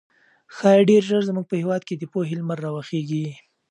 ښايي ډېر ژر زموږ په هېواد کې د پوهې لمر راوخېږي.